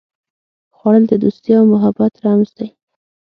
خوړل د دوستي او محبت رمز دی